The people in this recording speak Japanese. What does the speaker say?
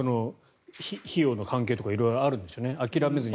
費用の関係とか色々あるんでしょうね